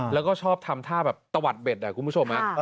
แล้วก็ชอบทำท่าแบบตะวัดเบ็ดอ่ะคุณผู้ชม